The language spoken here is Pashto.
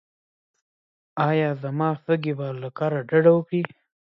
ایا زما سږي به له کار ډډه وکړي؟